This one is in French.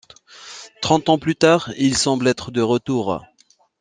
Trente ans plus tard, ils semblent être de retour.